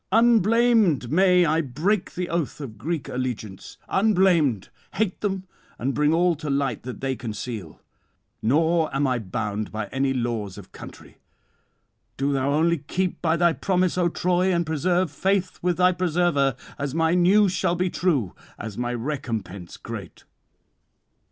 unblamed may I break the oath of Greek allegiance, unblamed hate them and bring all to light that they [159 191]conceal; nor am I bound by any laws of country. Do thou only keep by thy promise, O Troy, and preserve faith with thy preserver, as my news shall be true, as my recompense great.